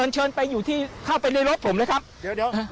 เชิญไปอยู่ที่เข้าไปในรถผมเลยครับเดี๋ยวเดี๋ยว